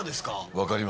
分かりますね。